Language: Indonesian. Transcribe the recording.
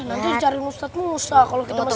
nanti dicari ustadz musa kalau kita masih di luar